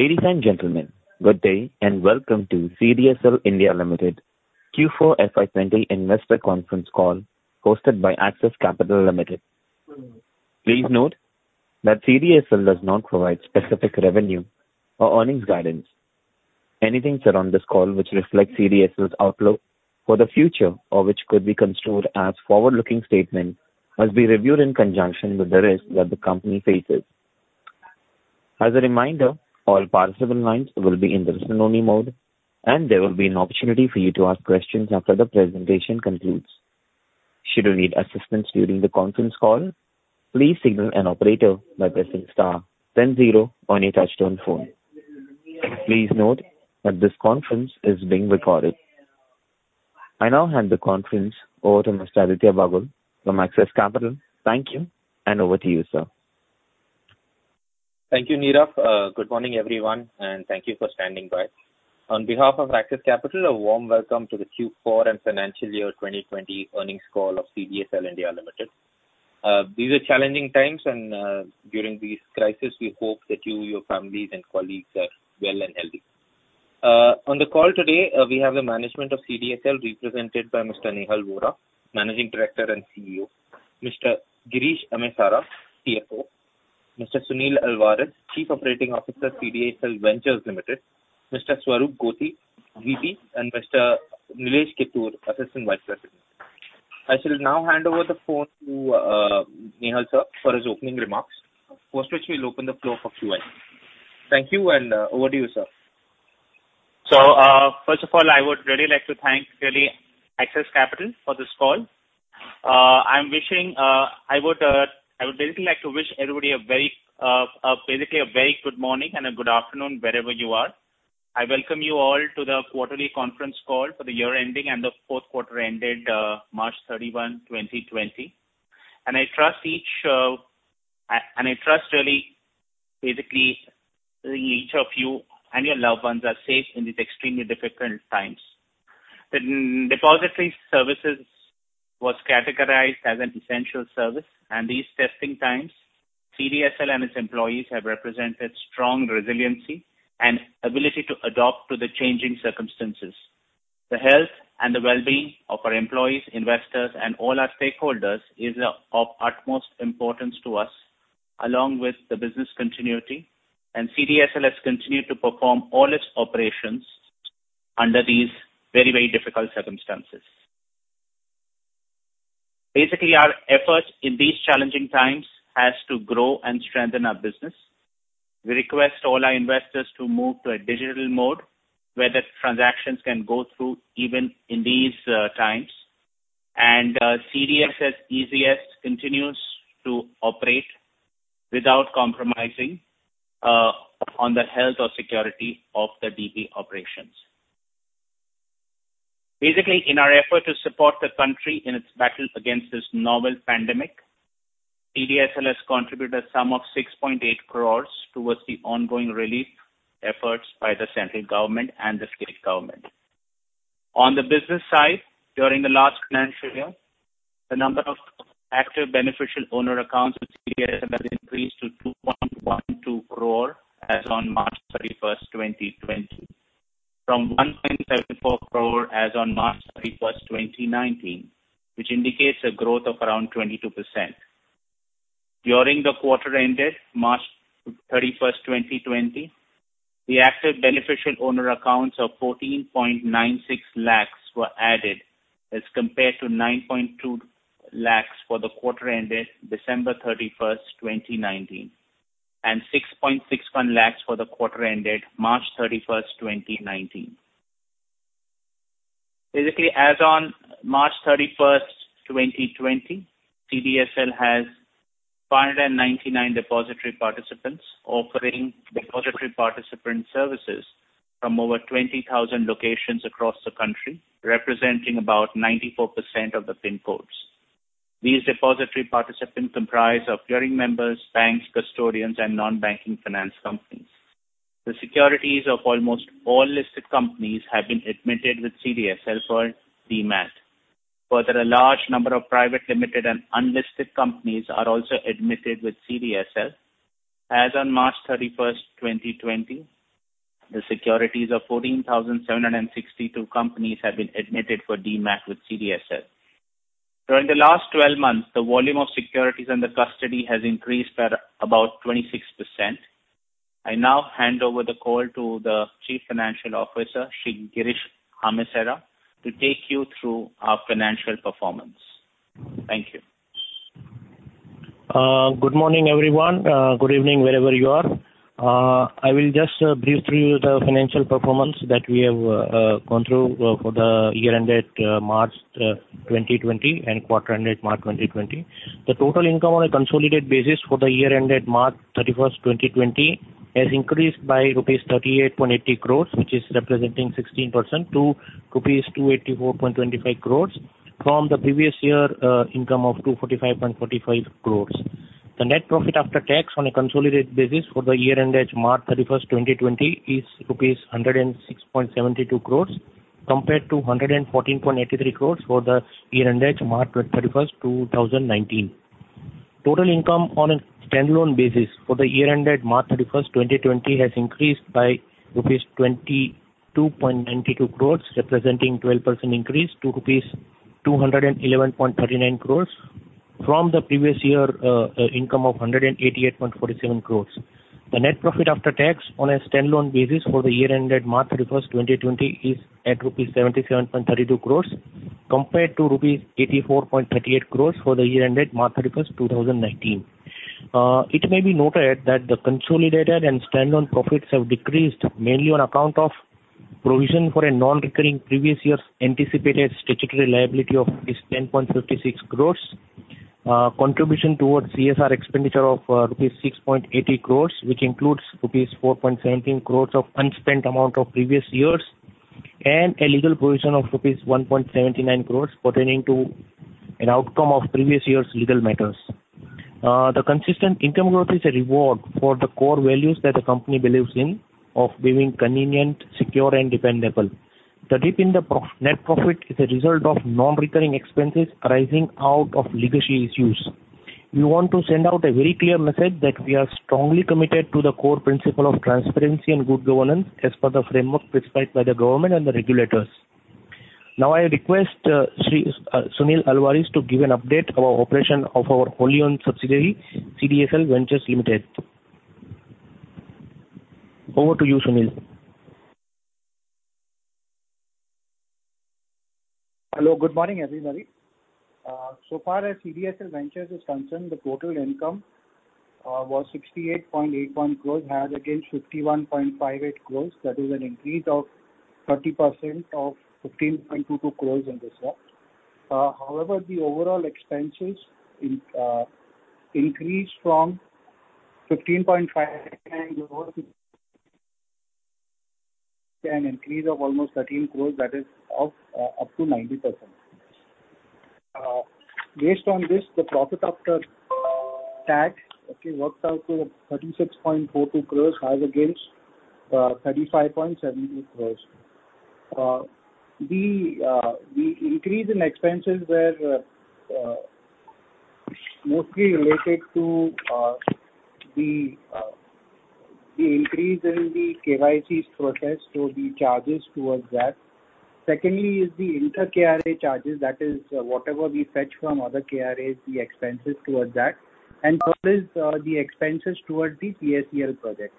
Ladies and gentlemen, good day and welcome to CDSL India Limited Q4 FY 2020 investor conference call hosted by Axis Capital Limited. Please note that CDSL does not provide specific revenue or earnings guidance. Anything said on this call which reflects CDSL's outlook for the future or which could be construed as forward-looking statement must be reviewed in conjunction with the risk that the company faces. As a reminder, all participant lines will be in listen-only mode, and there will be an opportunity for you to ask questions after the presentation concludes. Should you need assistance during the conference call, please signal an operator by pressing star then zero on your touchtone phone. Please note that this conference is being recorded. I now hand the conference over to Mr. Aditya Bagul from Axis Capital. Thank you, and over to you, sir. Thank you, Nirav. Good morning, everyone, and thank you for standing by. On behalf of Axis Capital, a warm welcome to the Q4 and financial year 2020 earnings call of CDSL India Limited. These are challenging times and during this crisis, we hope that you, your families, and colleagues are well and healthy. On the call today, we have the management of CDSL represented by Mr. Nehal Vora, Managing Director & Chief Executive Officer, Mr. Girish Amesara, Chief Financial Officer, Mr. Sunil Alvares, Chief Operating Officer, CDSL Ventures Limited, Mr. Swaroopkumar Gothi, Senior Vice President, and Mr. Nilesh Kittur, Assistant Vice President. I shall now hand over the phone to Nehal, sir, for his opening remarks, after which we'll open the floor for Q&A. Thank you, and over to you, sir. First of all, I would really like to thank Axis Capital for this call. I would basically like to wish everybody basically a very good morning and a good afternoon wherever you are. I welcome you all to the quarterly conference call for the year ending and the fourth quarter ended March 31, 2020. I trust really basically each of you and your loved ones are safe in these extremely difficult times. The depository services was categorized as an essential service. These testing times, CDSL and its employees have represented strong resiliency and ability to adapt to the changing circumstances. The health and the well-being of our employees, investors, and all our stakeholders is of utmost importance to us, along with the business continuity. CDSL has continued to perform all its operations under these very difficult circumstances. Basically, our effort in these challenging times has to grow and strengthen our business. We request all our investors to move to a digital mode where the transactions can go through even in these times. CDSL's easiest continues to operate without compromising on the health or security of the DP operations. Basically, in our effort to support the country in its battle against this novel pandemic, CDSL has contributed a sum of 6.8 crore towards the ongoing relief efforts by the central government and the state government. On the business side, during the last financial year, the number of active beneficial owner accounts with CDSL has increased to 2.12 crore as on March 31st, 2020, from 1.74 crore as on March 31st, 2019, which indicates a growth of around 22%. During the quarter ended March 31st, 2020, the active beneficial owner accounts of 14.96 lakhs were added as compared to 9.2 lakhs for the quarter ended December 31st, 2019, and 6.61 lakhs for the quarter ended March 31st, 2019. Basically, as on March 31st, 2020, CDSL has 599 depository participants offering depository participant services from over 20,000 locations across the country, representing about 94% of the PIN codes. These depository participants comprise of clearing members, banks, custodians, and non-banking finance companies. The securities of almost all listed companies have been admitted with CDSL for Demat. Further, a large number of private, limited, and unlisted companies are also admitted with CDSL. As on March 31st, 2020, the securities of 14,762 companies have been admitted for Demat with CDSL. During the last 12 months, the volume of securities under custody has increased by about 26%. I now hand over the call to the Chief Financial Officer, Mr. Girish Amesara, to take you through our financial performance. Thank you. Good morning, everyone. Good evening, wherever you are. I will just brief through the financial performance that we have gone through for the year ended March 2020 and quarter ended March 2020. The total income on a consolidated basis for the year ended March 31st, 2020, has increased by rupees 38.80 crores, which is representing 16%, to rupees 284.25 crores from the previous year income of 245.45 crores. The net profit after tax on a consolidated basis for the year ended March 31st, 2020, is rupees 106.72 crores compared to 114.83 crores for the year ended March 31st, 2019. Total income on a standalone basis for the year ended March 31st, 2020, has increased by rupees 22.92 crores, representing 12% increase to rupees 211.39 crores from the previous year income of 188.47 crores. The net profit after tax on a standalone basis for the year ended March 31st, 2020, is at rupees 77.32 crores compared to rupees 84.38 crores for the year ended March 31st, 2019. It may be noted that the consolidated and standalone profits have decreased mainly on account of provision for a non-recurring previous year's anticipated statutory liability of rupees 10.56 crores, contribution towards CSR expenditure of rupees 6.80 crores, which includes rupees 4.17 crores of unspent amount of previous years, and a legal provision of rupees 1.79 crores pertaining to an outcome of previous year's legal matters. The consistent income growth is a reward for the core values that the company believes in, of being convenient, secure, and dependable. The dip in the net profit is a result of non-recurring expenses arising out of legacy issues. We want to send out a very clear message that we are strongly committed to the core principle of transparency and good governance as per the framework prescribed by the government and the regulators. I request Sunil Alvares to give an update about operation of our wholly owned subsidiary, CDSL Ventures Limited. Over to you, Sunil. Hello. Good morning, everybody. As far as CDSL Ventures is concerned, the total income was 68.81 crores as against 51.58 crores. That is an increase of 30% of 15.22 crores in this. However, the overall expenses increased from 15.5 crores, an increase of almost 13 crores. That is up to 90%. Based on this, the profit after tax works out to 36.42 crores as against 35.78 crores. The increase in expenses were mostly related to the increase in the KYCs processed, so the charges towards that. Secondly is the inter-KRA charges, that is whatever we fetch from other KRAs, the expenses towards that. Third is the expenses towards the PACL project.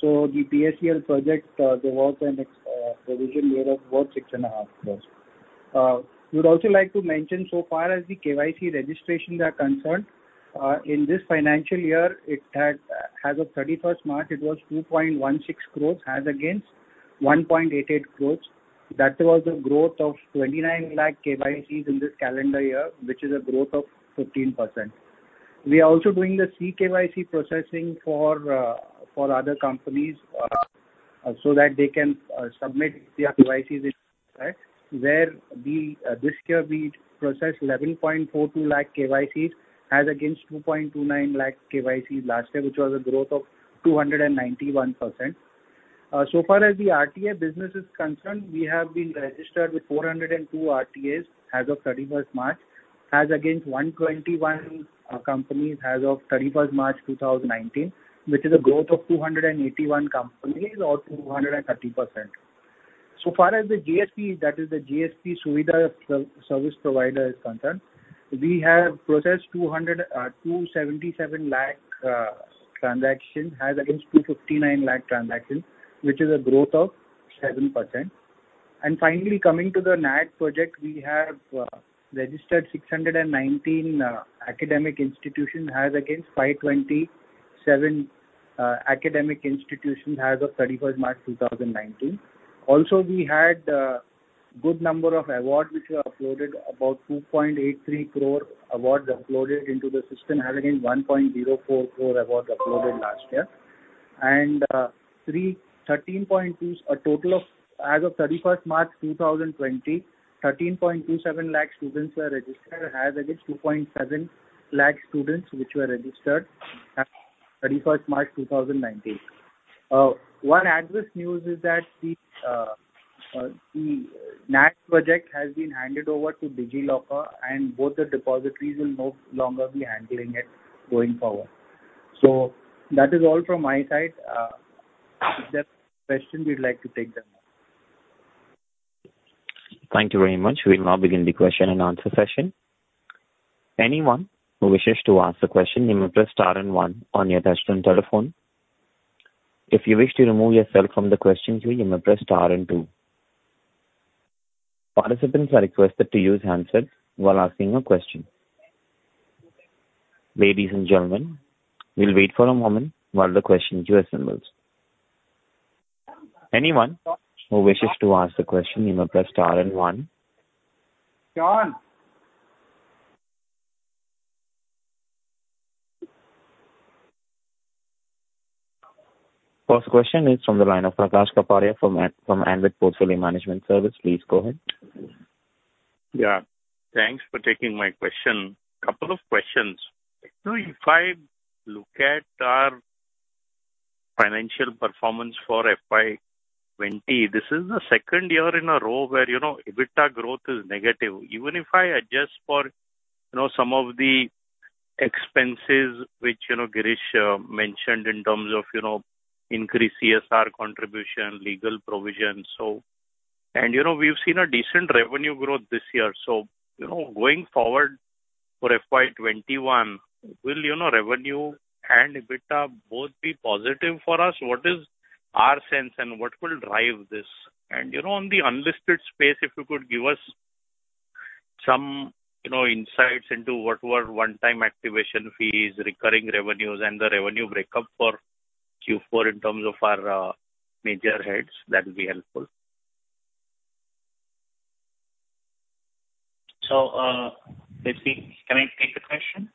The PACL project, there was a provision made of about INR six and a half crores. We'd also like to mention, so far as the KYC registrations are concerned, in this financial year, as of 31st March, it was 2.16 crore as against 1.88 crore. That was a growth of 29 lakh KYCs in this calendar year, which is a growth of 15%. We are also doing the CKYC processing for other companies so that they can submit their KYCs where this year we processed 11.42 lakh KYCs as against 2.29 lakh KYCs last year, which was a growth of 291%. So far as the RTA business is concerned, we have been registered with 402 RTAs as of 31st March, as against 121 companies as of 31st March 2019, which is a growth of 281 companies or 230%. Far as the GST, that is the GST Suvidha Provider is concerned, we have processed 277 lakh transactions as against 259 lakh transactions, which is a growth of 7%. Finally, coming to the NAD project, we have registered 619 academic institutions as against 527 academic institutions as of 31st March 2019. Also, we had a good number of awards which were uploaded, about 2.83 crore awards uploaded into the system as against 1.04 crore awards uploaded last year. As of 31st March 2020, 13.27 lakh students were registered as against 2.7 lakh students which were registered as of 31st March 2019. One adverse news is that the NAD project has been handed over to DigiLocker and both the depositories will no longer be handling it going forward. That is all from my side. If there are questions, we'd like to take them now. Thank you very much. We'll now begin the question and answer session. Anyone who wishes to ask a question, you may press star and one on your touchtone telephone. If you wish to remove yourself from the question queue, you may press star and two. Participants are requested to use handsets while asking a question. Ladies and gentlemen, we'll wait for a moment while the question queue assembles. Anyone who wishes to ask a question, you may press star and one. [John]. First question is from the line of Prakash Kapadia from Anived Portfolio Management Service. Please go ahead. Yeah. Thanks for taking my question. Couple of questions. If I look at our financial performance for FY 2020. This is the second year in a row where EBITDA growth is negative. Even if I adjust for some of the expenses, which Girish mentioned in terms of increased CSR contribution, legal provisions. We've seen a decent revenue growth this year. Going forward for FY 2021, will revenue and EBITDA both be positive for us? What is our sense, and what will drive this? On the unlisted space, if you could give us some insights into what were one-time activation fees, recurring revenues, and the revenue breakup for Q4 in terms of our major heads, that would be helpful. Let's see. Can I take the question?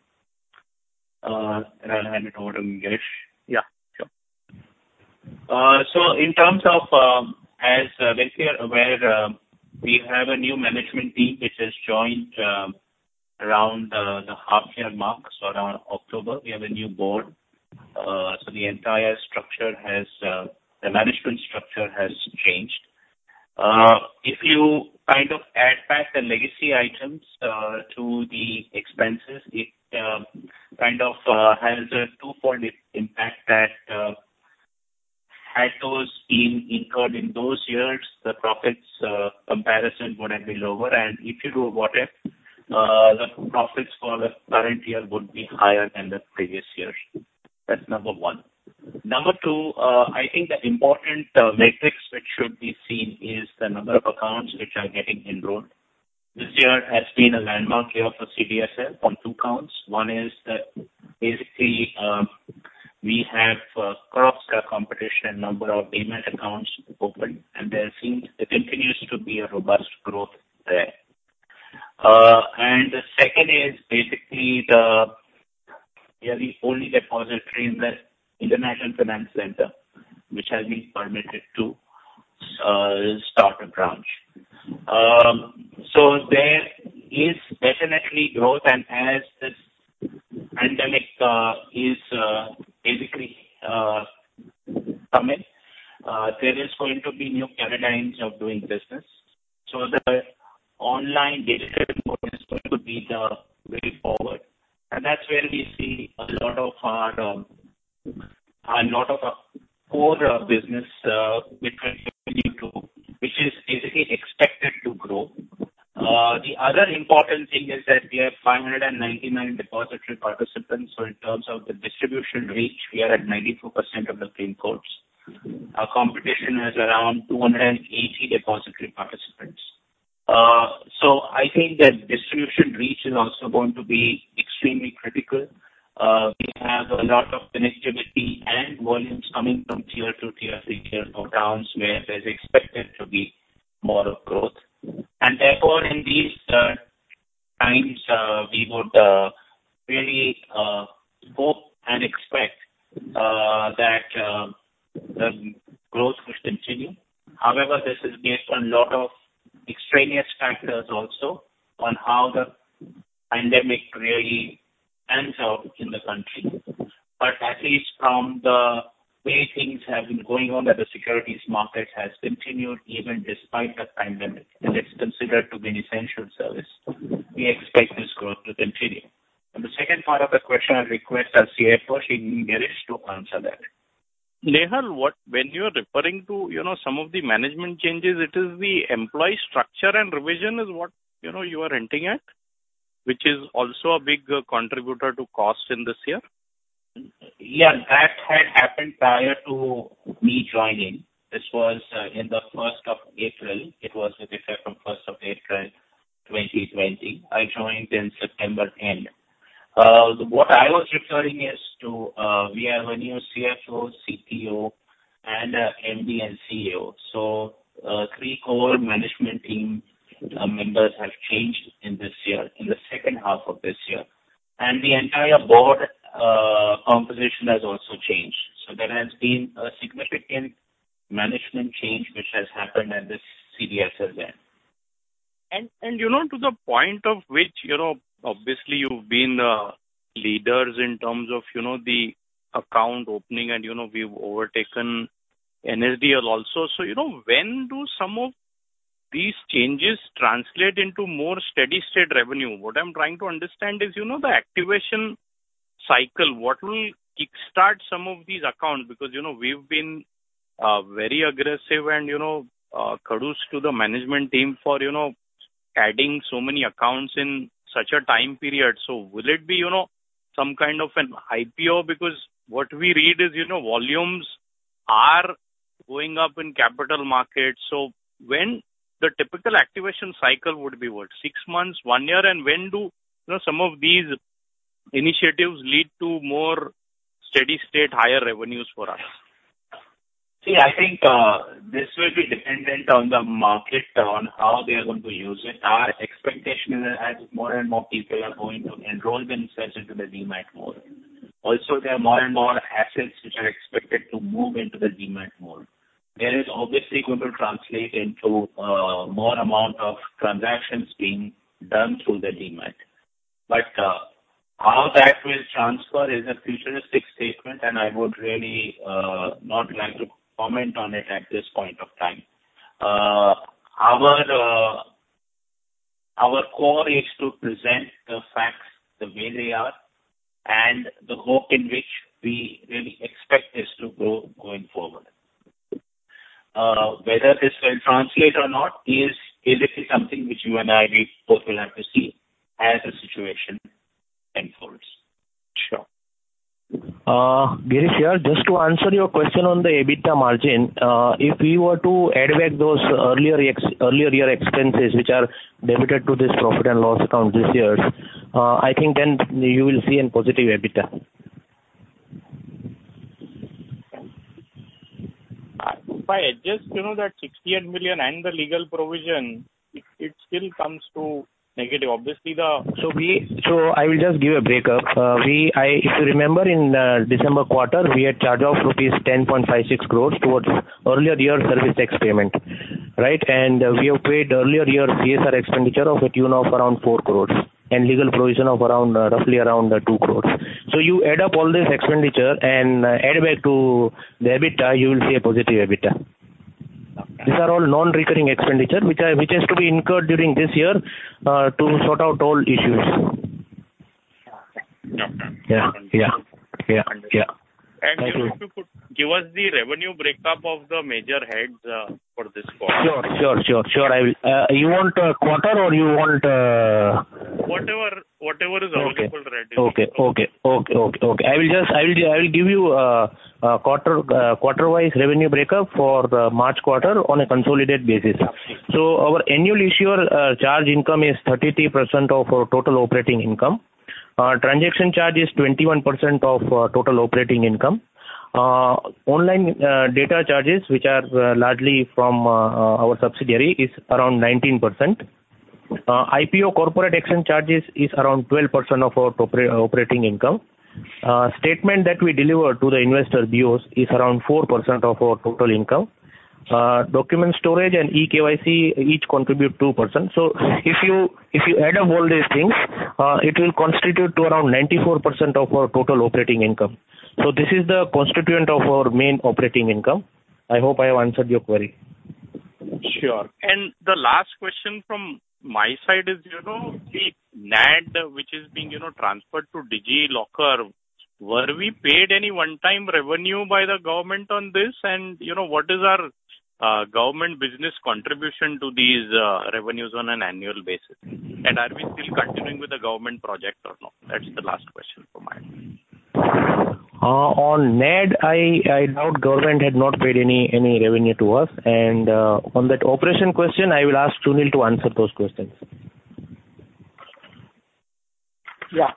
I'll hand it over to Girish. Yeah, sure. In terms of, as we are aware, we have a new management team which has joined around the half-year mark. Around October, we have a new board. The entire management structure has changed. If you add back the legacy items to the expenses, it has a twofold impact that had those been incurred in those years, the profits comparison would have been lower, and if you do a what if, the profits for the current year would be higher than the previous years. That's number one. Number two, I think the important metrics which should be seen is the number of accounts which are getting enrolled. This year has been a landmark year for CDSL on two counts. One is that basically, we have crossed our competition number of payment accounts opened, and there seems it continues to be a robust growth there. The second is basically, we are the only depository in the International Finance Center which has been permitted to start a branch. There is definitely growth, and as this pandemic is basically coming, there is going to be new paradigms of doing business. The online digital mode is going to be the way forward. That's where we see a lot of our core business, which is basically expected to grow. The other important thing is that we have 599 depository participants. In terms of the distribution reach, we are at 94% of the pin codes. Our competition has around 280 depository participants. I think that distribution reach is also going to be extremely critical. We have a lot of connectivity and volumes coming from Tier 2, Tier 3 towns where there's expected to be more growth. Therefore, in these times, we would really hope and expect that the growth will continue. However, this is based on a lot of extraneous factors also on how the pandemic really pans out in the country. At least from the way things have been going on at the securities market has continued even despite the pandemic, and it's considered to be an essential service. We expect this growth to continue. The second part of the question, I request our CFO, Girish, to answer that. Nehal, when you are referring to some of the management changes, it is the employee structure and revision is what you are hinting at, which is also a big contributor to costs in this year? That had happened prior to me joining. This was in the first of April. It was with effect from first of April 2020. I joined in September end. What I was referring is to, we have a new CFO, COO, and MD, and CEO. Three core management team members have changed in the second half of this year. The entire board composition has also changed. There has been a significant management change which has happened at the CDSL end. To the point of which, obviously you've been leaders in terms of the account opening, and we've overtaken NSDL also. When do some of these changes translate into more steady state revenue? What I'm trying to understand is the activation cycle. What will kickstart some of these accounts? Because we've been very aggressive and kudos to the management team for adding so many accounts in such a time period. Will it be some kind of an IPO? Because what we read is volumes are going up in capital markets. When the typical activation cycle would be what, six months, one year? When do some of these initiatives lead to more steady state higher revenues for us? See, I think this will be dependent on the market, on how they are going to use it. Our expectation is that as more and more people are going to enroll themselves into the Demat mode. There are more and more assets which are expected to move into the Demat mode. There is obviously going to translate into more amount of transactions being done through the Demat. How that will transfer is a futuristic statement, and I would really not like to comment on it at this point of time. Our core is to present the facts the way they are and the hope in which we really expect this to grow going forward. Whether this will translate or not is basically something which you and I, we both will have to see as the situation unfolds. Sure. Girish, yeah, just to answer your question on the EBITDA margin. If we were to add back those earlier year expenses, which are debited to this profit and loss account this year, I think then you will see a positive EBITDA. If I adjust that 68 million and the legal provision, it still comes to negative. I will just give a breakup. If you remember, in December quarter, we had charged off rupees 10.56 crore towards earlier year service tax payment. Right. We have paid earlier year CSR expenditure of tune of around 4 crore and legal provision of roughly around 2 crore. You add up all this expenditure and add back to the EBITDA, you will see a positive EBITDA. These are all non-recurring expenditure, which has to be incurred during this year, to sort out old issues. Yeah. Yeah. Could you give us the revenue breakup of the major heads for this quarter? Sure. You want quarter or you want- Whatever is available, right. I will give you quarter-wise revenue breakup for the March quarter on a consolidated basis. Our annual issuer charge income is 33% of our total operating income. Our transaction charge is 21% of our total operating income. Online data charges, which are largely from our subsidiary, is around 19%. IPO corporate action charges is around 12% of our operating income. Statement that we deliver to the investor BOs is around 4% of our total income. Document storage and eKYC each contribute 2%. If you add up all these things, it will constitute to around 94% of our total operating income. This is the constituent of our main operating income. I hope I have answered your query. Sure. The last question from my side is, the NAD which is being transferred to DigiLocker, were we paid any one-time revenue by the government on this? What is our government business contribution to these revenues on an annual basis? Are we still continuing with the government project or not? That's the last question from my end. On NAD, I doubt government had not paid any revenue to us. On that operation question, I will ask Sunil to answer those questions. Yeah.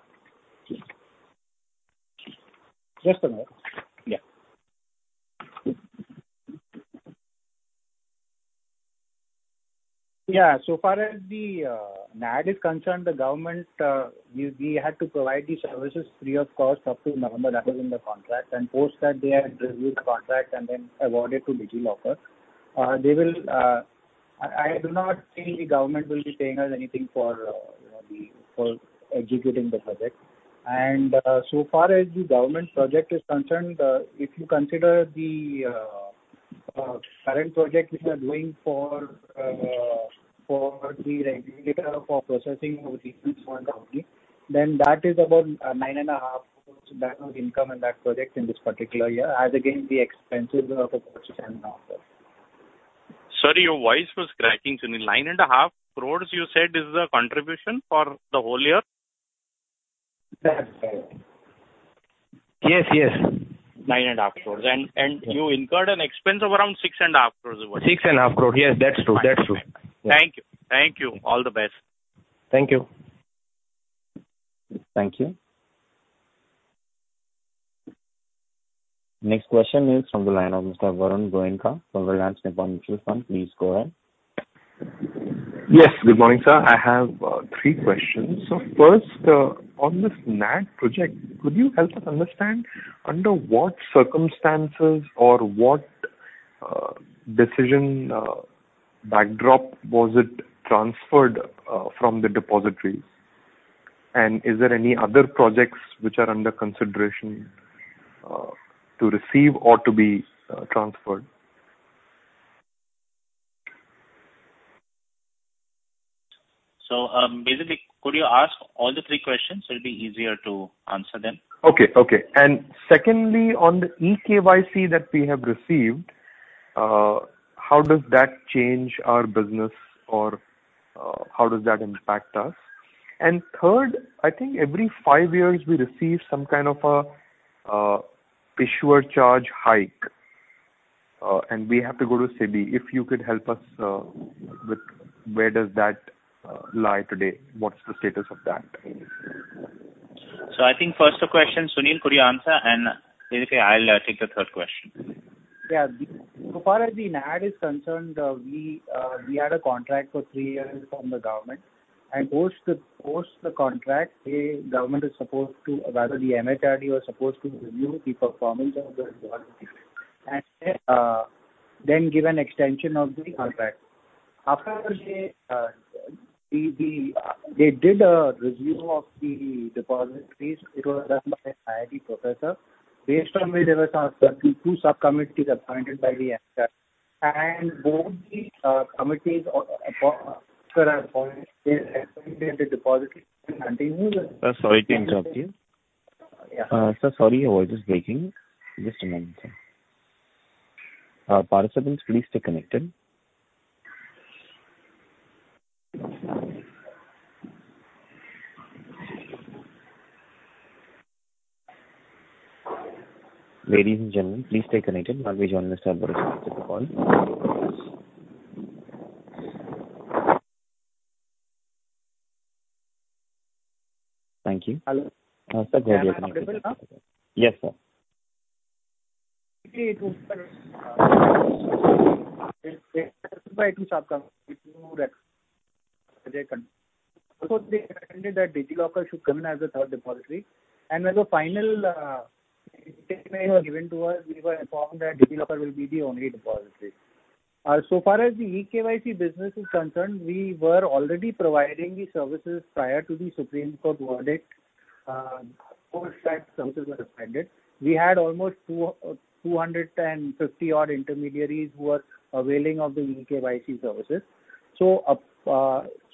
Just a minute. So far as the NAD is concerned, the government, we had to provide the services free of cost up to November. That was in the contract. Post that, they had reviewed the contract and then award it to DigiLocker. I do not think the government will be paying us anything for executing the project. So far as the government project is concerned, if you consider the current project which we are doing for the regulator for processing of returns for the company, then that is about 9.5 crore. That was income in that project in this particular year. As again, the expenses are for Sorry, your voice was cracking, Sunil. 9.5 crores you said is the contribution for the whole year? That's right. Yes. 9 and a half crores. You incurred an expense of around 6 and a half crores over there. 6.5 crore. Yes, that's true. Thank you. All the best. Thank you. Thank you. Next question is from the line of Mr. Varun Goenka from Reliance Nippon Mutual Fund. Please go ahead. Yes, good morning, sir. I have three questions. First, on this NAD project, could you help us understand under what circumstances or what decision backdrop was it transferred from the depository? Are there any other projects which are under consideration to receive or to be transferred? Basically, could you ask all the three questions? It'll be easier to answer them. Okay. Secondly, on the eKYC that we have received, how does that change our business or how does that impact us? Third, I think every five years we receive some kind of a issuer charge hike, and we have to go to SEBI. If you could help us with where does that lie today? What's the status of that? I think first two questions, Sunil, could you answer? Basically, I'll take the third question. Yeah. So far as the NAD is concerned, we had a contract for three years from the government. Post the contract, rather the MHRD was supposed to review the performance of the After they did a review of the depositories, it was done by an IIT professor. Based on which there were 32 subcommittees appointed by the Sir, sorry to interrupt you. Yeah. Sir, sorry, your voice is breaking. Just a moment, sir. Participants, please stay connected. Ladies and gentlemen, please stay connected while we join Mr. Alvares to the call. Thank you. Hello. Mr. Goenka. Am I audible now? Yes, sir. They recommended that DigiLocker should come in as a third depository. When the final statement was given to us, we were informed that DigiLocker will be the only depository. Far as the eKYC business is concerned, we were already providing the services prior to the Supreme Court verdict. Post that, services were suspended. We had almost 250 odd intermediaries who were availing of the eKYC services.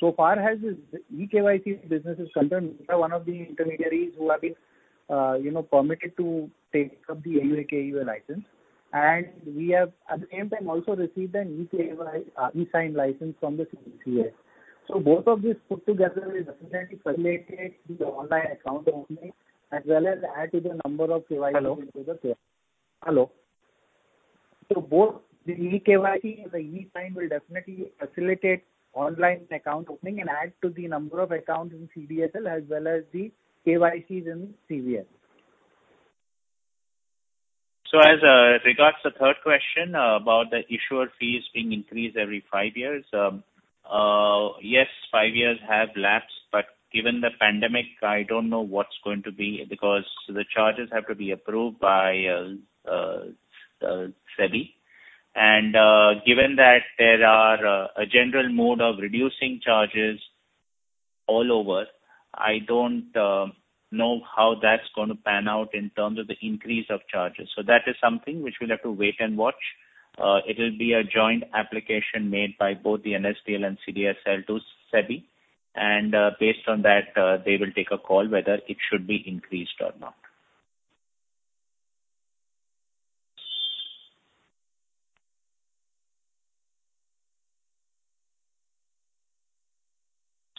Far as the eKYC business is concerned, we are one of the intermediaries who have been permitted to take up the eKYC license. We have, at the same time, also received an eSign license from the CDSL. Both of these put together will definitely facilitate the online account opening as well as add to the number of KYCs. Hello. Hello. Both the eKYC and the eSign will definitely facilitate online account opening and add to the number of accounts in CDSL as well as the KYCs in CDSL. As regards the third question about the issuer fees being increased every five years. Yes, five years have lapsed, but given the pandemic, I don't know what's going to be, because the charges have to be approved by SEBI. Given that there are a general mode of reducing charges all over, I don't know how that's going to pan out in terms of the increase of charges. That is something which we'll have to wait and watch. It will be a joint application made by both the NSDL and CDSL to SEBI, and based on that, they will take a call whether it should be increased or not.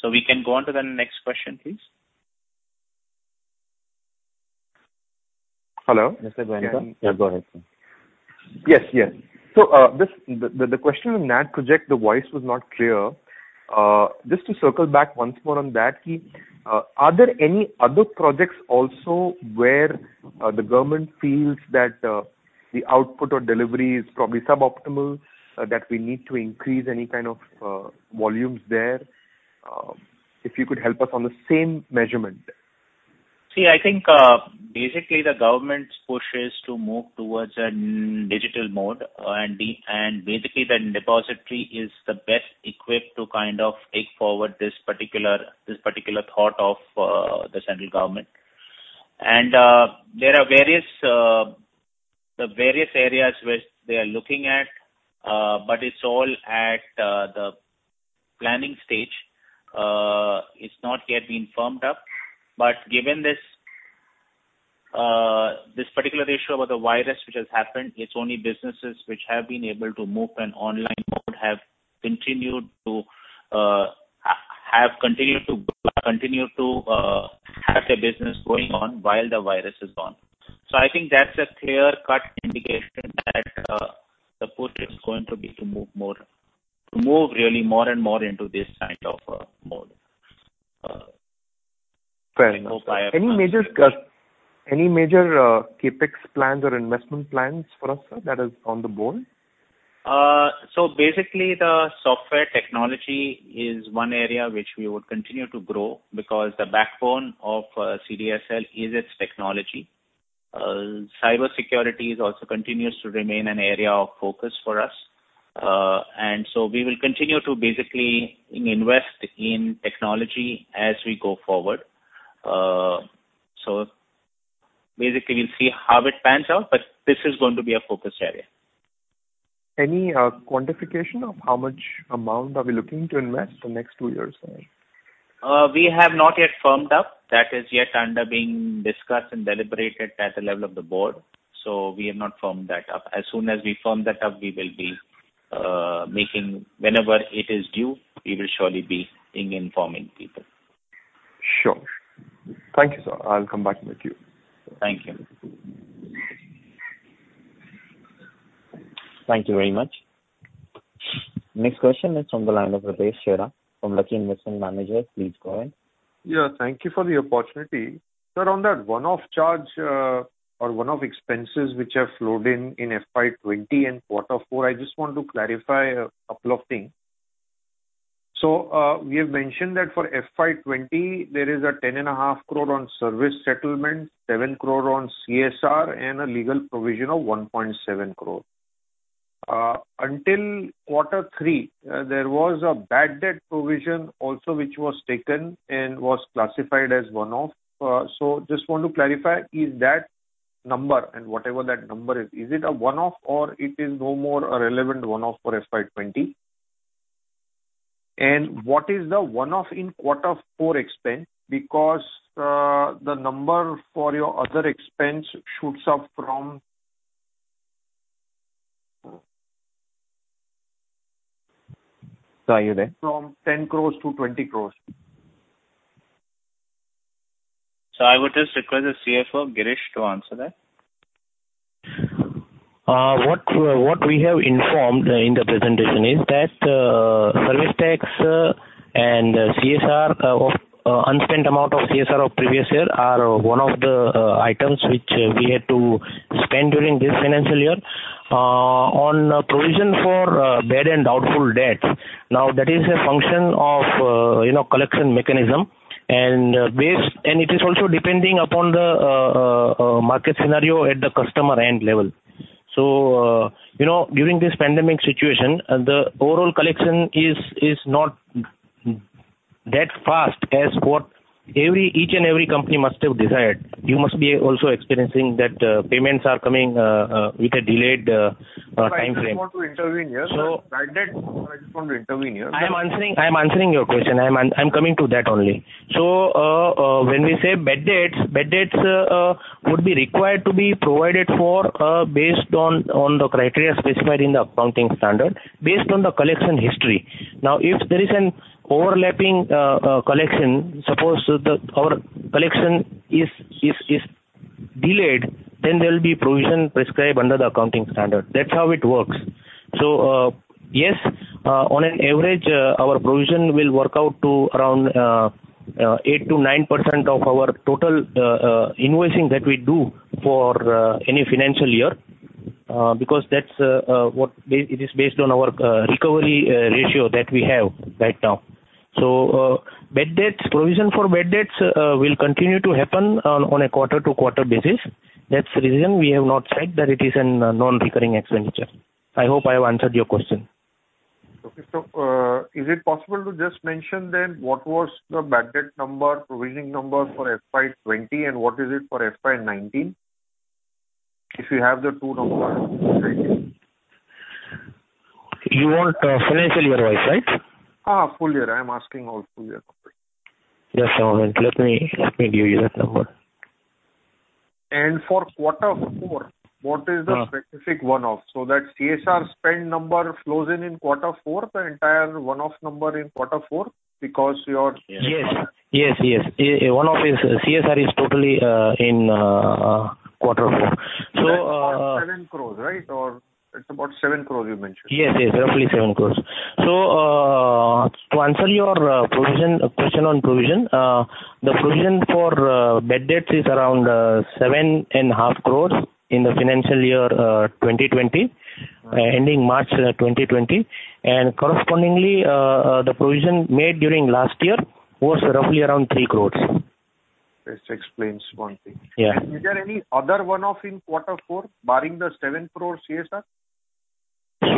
We can go on to the next question, please. Hello. Mr. Goenka, yeah, go ahead, sir. Yes. The question on NAD project, the voice was not clear. Just to circle back once more on that. Are there any other projects also where the government feels that the output or delivery is probably suboptimal, that we need to increase any kind of volumes there? If you could help us on the same measurement there. I think basically the government's push is to move towards a digital mode, basically the depository is the best equipped to kind of take forward this particular thought of the central government. There are various areas which they are looking at, it's all at the planning stage. It's not yet been firmed up. Given this particular issue about the virus which has happened, it's only businesses which have been able to move an online mode have continued to have their business going on while the virus is gone. I think that's a clear-cut indication that the push is going to be to move really more and more into this kind of a mode. Fair enough. Any major CapEx plans or investment plans for us, sir, that is on the board? The software technology is one area which we would continue to grow because the backbone of CDSL is its technology. Cybersecurity also continues to remain an area of focus for us. We will continue to basically invest in technology as we go forward. We'll see how it pans out, but this is going to be a focus area. Any quantification of how much amount are we looking to invest the next two years, sir? We have not yet firmed up. That is yet under being discussed and deliberated at the level of the Board. We have not firmed that up. As soon as we firm that up, whenever it is due, we will surely be informing people. Sure. Thank you, sir. I'll come back with you. Thank you. Thank you. Thank you very much. Next question is from the line of [Rajesh Baheti] from Lucky Investment Managers. Please go ahead. Yeah, thank you for the opportunity. Sir, on that one-off charge or one-off expenses which have flowed in FY 2020 and Q4, I just want to clarify a couple of things. We have mentioned that for FY 2020, there is an 10.5 crore on service settlement, 7 crore on CSR, and a legal provision of 1.7 crore. Until Q3, there was a bad debt provision also which was taken and was classified as one-off. Just want to clarify, is that number, and whatever that number is it a one-off or it is no more a relevant one-off for FY 2020? What is the one-off in Q4 expense because the number for your other expense shoots up from-. Sir, are you there? From 10 crores-20 crores. I would just request the CFO, Girish, to answer that. What we have informed in the presentation is that service tax and unspent amount of CSR of previous year are one of the items which we had to spend during this financial year. On provision for bad and doubtful debts. That is a function of collection mechanism and it is also depending upon the market scenario at the customer end level. During this pandemic situation, the overall collection is not that fast as what each and every company must have desired. You must be also experiencing that payments are coming with a delayed timeframe. I just want to intervene here. I'm answering your question. I'm coming to that only. When we say bad debts, bad debts would be required to be provided for based on the criteria specified in the accounting standard, based on the collection history. If there is an overlapping collection, suppose our collection is delayed, there will be provision prescribed under the accounting standard. That's how it works. Yes, on an average, our provision will work out to around 8%-9% of our total invoicing that we do for any financial year because it is based on our recovery ratio that we have right now. Provision for bad debts will continue to happen on a quarter-to-quarter basis. That's the reason we have not said that it is a non-recurring expenditure. I hope I have answered your question. Okay. Is it possible to just mention then what was the bad debt number, provisioning number for FY 2020 and what is it for FY 2019? If you have the two numbers. You want financial year-wise, right? Full year. I'm asking all full year. Just a moment. Let me give you that number. For quarter four, what is the specific one-off? That CSR spend number flows in in quarter four, the entire one-off number in quarter four. Yes. One off is CSR is totally in quarter four. That's about 7 crores, right? It's about 7 crores you mentioned. Yes. Roughly 7 crore. To answer your question on provision, the provision for bad debts is around 7.5 crore in the financial year 2020, ending March 2020. Correspondingly, the provision made during last year was roughly around 3 crore. This explains one thing. Yeah. Is there any other one-off in quarter four, barring the 7 crore CSR? You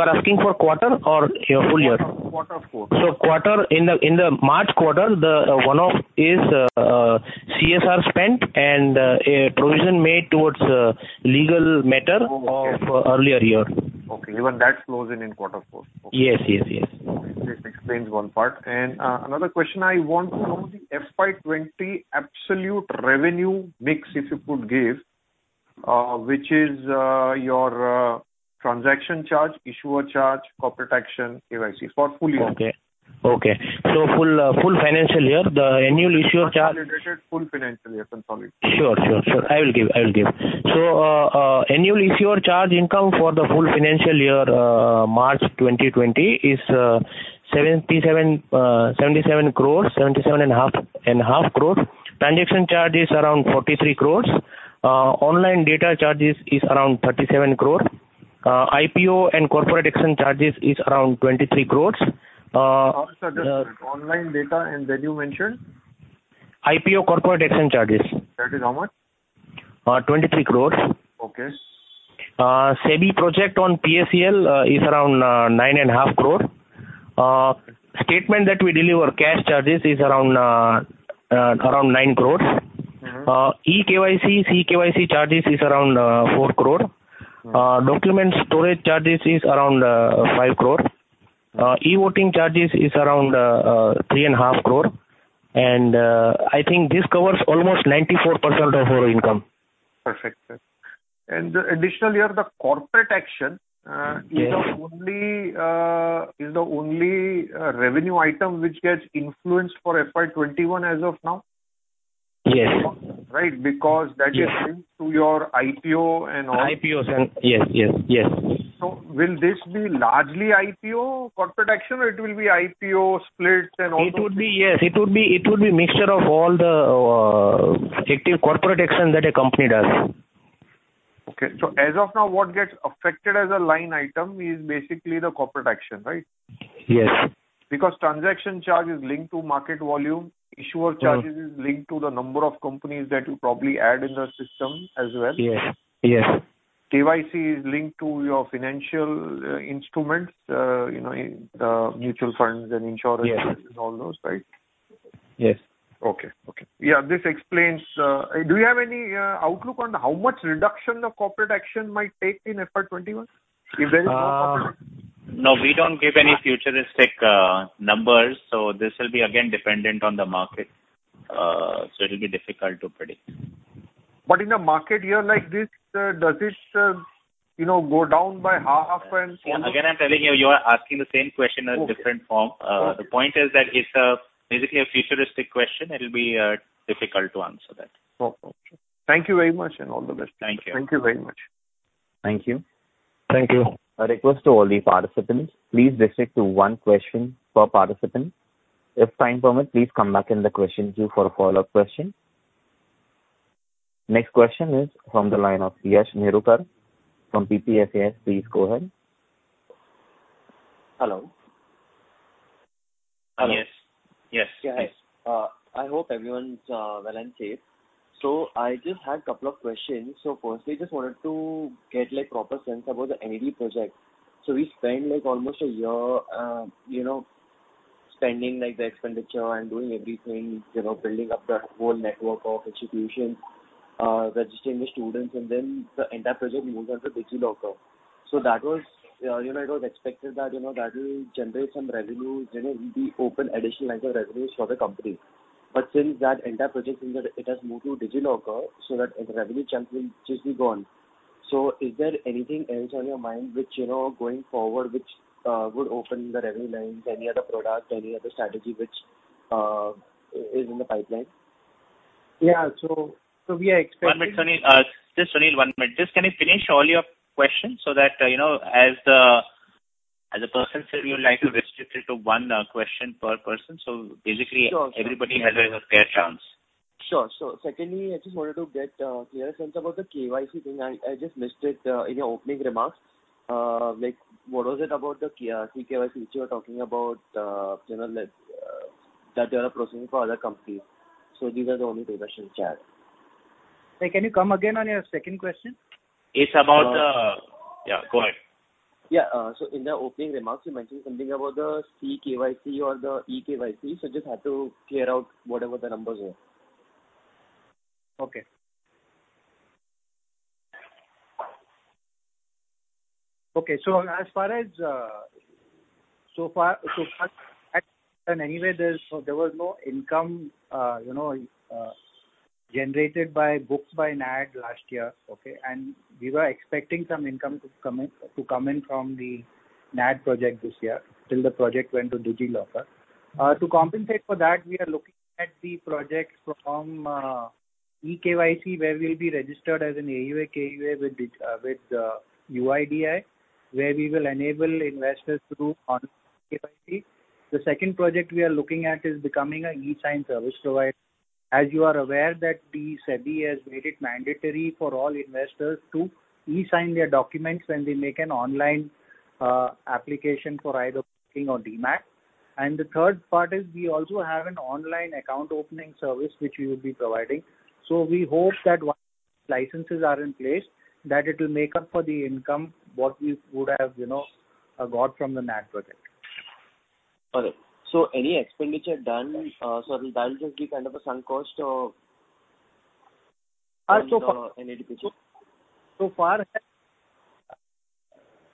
are asking for quarter or full year? Quarter four. In the March quarter, the one-off is CSR spent and a provision made towards legal matter of earlier year. Okay. Even that flows in in quarter four. Yes. This explains one part. Another question, I want to know the FY 2020 absolute revenue mix, if you could give, which is your transaction charge, issuer charge, corporate action, KYCs for full year. Okay. Full financial year, the annual issuer charge- Consolidated full financial year. I'm sorry. Sure. I will give. Annual issuer charge income for the full financial year March 2020 is 77.5 crore. Transaction charge is around 43 crore. Online data charges is around 37 crore. IPO and corporate action charges is around 23 crore. Sorry, online data and then you mentioned? IPO corporate action charges. That is how much? 23 crores. Okay. SEBI project on PACL is around 9.5 crore. Statement that we deliver cash charges is around 9 crore. eKYC charges is around 4 crore. Document storage charges is around 5 crore. e-voting charges is around 3.5 crore. I think this covers almost 94% of our income. Perfect. Additionally, the corporate action is the only revenue item which gets influenced for FY 2021 as of now? Yes. Right. That is linked to your IPO and all. IPOs. Yes. Will this be largely IPO corporate action or it will be IPO splits and all those things? It would be a mixture of all the effective corporate action that a company does. Okay. As of now, what gets affected as a line item is basically the corporate action, right? Yes. Because transaction charge is linked to market volume. Issuer charges. is linked to the number of companies that you probably add in the system as well. Yes. KYC is linked to your financial instruments, the mutual funds and insurance. Yes. All those, right? Yes. Okay. Do you have any outlook on how much reduction the corporate action might take in FY 2021, if there is no corporate action? No, we don't give any futuristic numbers. This will be again dependent on the market. It'll be difficult to predict. In a market year like this, does it go down by half and so on? Again, I'm telling you are asking the same question in a different form. Okay. The point is that it's basically a futuristic question. It'll be difficult to answer that. Okay. Thank you very much, and all the best. Thank you. Thank you very much. Thank you. Thank you. A request to all the participants. Please restrict to one question per participant. If time permits, please come back in the question queue for a follow-up question. Next question is from the line of Yash Nerurkar from PPFAS. Please go ahead. Hello. Yes. Yes, hi. I hope everyone's well and safe. I just had a couple of questions. Firstly, I just wanted to get proper sense about the NAD project. We spent almost a year spending the expenditure and doing everything, building up that whole network of institutions, registering the students, and then the entire project moved on to DigiLocker. It was expected that that will generate some revenue, it will be open additional lines of revenues for the company. Since that entire project, it has moved to DigiLocker, that revenue chunk will just be gone. Is there anything else on your mind, going forward, which would open the revenue lines, any other product, any other strategy which is in the pipeline? Yeah. We are. One minute, Sunil. Just Sunil, one minute. Just can you finish all your questions so that, as the person said, we would like to restrict it to one question per person. Sure. Everybody has a fair chance. Sure. Secondly, I just wanted to get a clearer sense about the KYC thing. I just missed it in your opening remarks. What was it about the CKYC which you were talking about, that you are proceeding for other companies. These are the only two questions, [Chad]. Can you come again on your second question? It's about the Yeah, go ahead. Yeah. In the opening remarks, you mentioned something about the CKYC or the eKYC. Just had to clear out whatever the numbers were. As far as anyway, there was no income generated by books by NAD last year. We were expecting some income to come in from the NAD project this year, till the project went to DigiLocker. To compensate for that, we are looking at the project from eKYC, where we'll be registered as an AUA, KUA with the UIDAI, where we will enable investors through online KYC. The second project we are looking at is becoming an eSign service provider. As you are aware that the SEBI has made it mandatory for all investors to eSign their documents when they make an online application for either Demat or stock Demat. The third part is we also have an online account opening service which we will be providing. We hope that once licenses are in place, that it will make up for the income, what we would have got from the NAD project. Okay. Any expenditure done, that will just be kind of a sunk cost. Far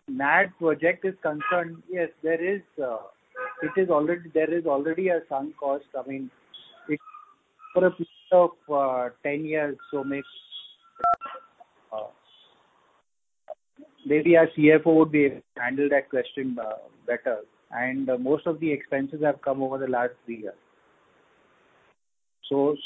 NAD project is concerned, yes. There is already a sunk cost coming for a period of 10 years, so maybe our CFO would handle that question better. Most of the expenses have come over the last three years. To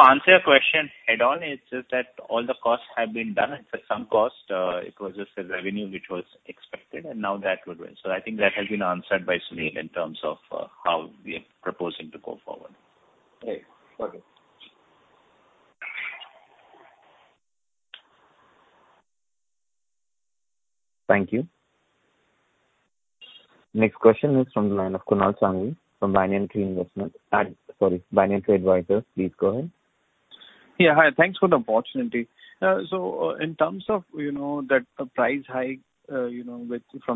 answer your question head on, it's just that all the costs have been done. It's a sunk cost. It was just a revenue which was expected and now that would end. I think that has been answered by Sunil in terms of how we are proposing to go forward. Right. Okay. Thank you. Next question is from the line of Kunal Sanghi from Banyan Tree Advisors. Sorry, Banyan Tree Advisors. Please go ahead. Yeah, hi. Thanks for the opportunity. In terms of that price hike from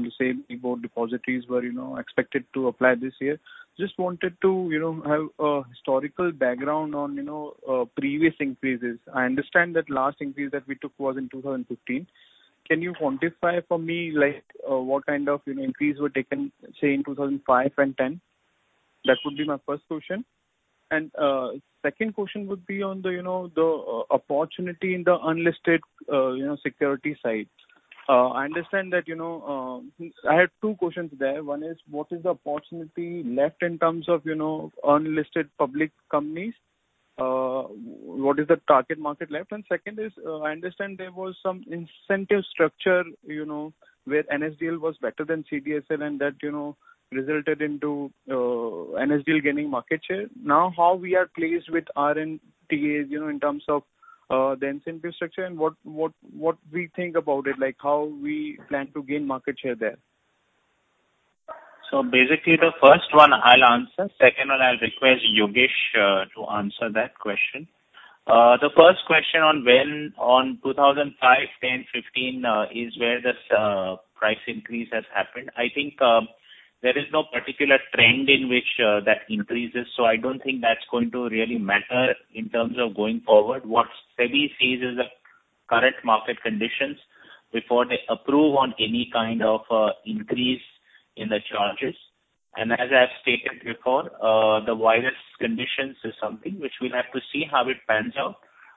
the SEBI board depositories were expected to apply this year. Just wanted to have a historical background on previous increases. I understand that last increase that we took was in 2015. Can you quantify for me what kind of increase were taken, say, in 2005 and 2010? That would be my first question. Second question would be on the opportunity in the unlisted security side. I had two questions there. One is, what is the opportunity left in terms of unlisted public companies? What is the target market left? Second is, I understand there was some incentive structure where NSDL was better than CDSL, and that resulted into NSDL gaining market share. How we are placed with RNTAs in terms of the incentive structure and what we think about it, like how we plan to gain market share there. Basically, the first one I'll answer. Second one, I'll request Yogesh to answer that question. The first question on when on 2005, 2010, 2015, is where this price increase has happened. I think there is no particular trend in which that increases, so I don't think that's going to really matter in terms of going forward. What SEBI sees is the current market conditions before they approve on any kind of increase in the charges. As I've stated before, the virus conditions is something which we'll have to see how it pans out,